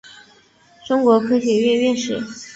中国科学院院士。